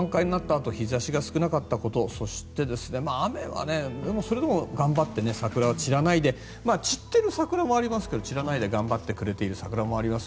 あと日差しが少なかったこと雨はそれでも頑張って桜は散らないで散っている桜もありますが散らないで頑張ってくれている桜もあります。